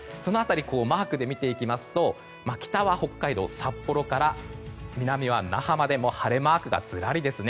マークで見ますと北は北海道の札幌から南は那覇まで晴れマークがずらりです。